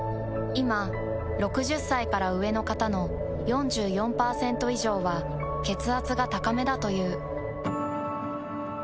いま６０歳から上の方の４４％以上は血圧が高めだという。